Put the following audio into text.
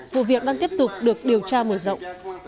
vụ việc đang tiếp tục được điều tra mở rộng